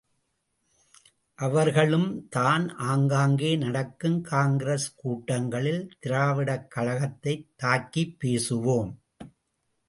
அவர்களும்தான் ஆங்காங்கே நடக்கும் காங்கிரஸ் கூட்டங்களில் திராவிடக் கழகத்தைத் தாக்கிப் பேசுவோம்.